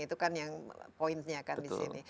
itu kan yang poinsnya kan di sini